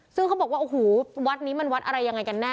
ซึ่งเขาบอกว่าโอ้โหวัดนี้มันวัดอะไรยังไงกันแน่